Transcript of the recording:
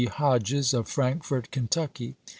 Hodges, of Frankfort, Kentucky.